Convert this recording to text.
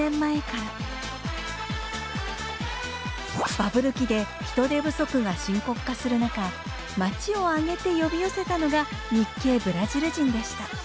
バブル期で人手不足が深刻化する中町をあげて呼び寄せたのが日系ブラジル人でした。